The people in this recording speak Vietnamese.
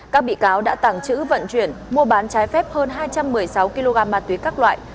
các bị cáo đã tàng trữ vận chuyển mua bán trái phép hơn hai trăm một mươi sáu kg ma túy các loại